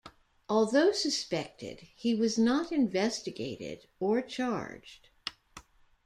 Although suspected, he was not investigated or charged.